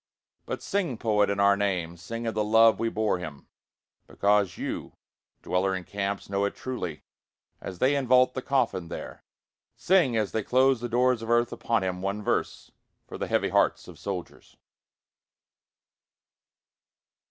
But sing poet in our name, Sing of the love we bore him because you, dweller in camps, know it truly. As they invault the coffin there, Sing as they close the doors of earth upon him one verse, For the heavy hearts of soldiers.